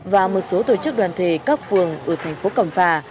và một số tổ chức đoàn thể các phường ở thành phố cẩm phà